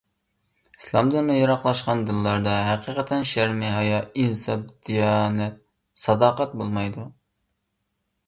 ئىسلامدىن يىراقلاشقان دىللاردا ھەقىقەتەن شەرمى-ھايا، ئىنساپ-دىيانەت، ساداقەت بولمايدۇ.